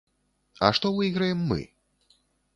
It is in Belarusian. А што выйграем мы?